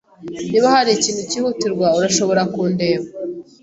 Niba hari ikintu cyihutirwa, urashobora kundeba.